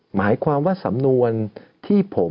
หมายความว่าสำนวนที่ผม